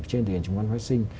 trên tiền chứng khoán phát sinh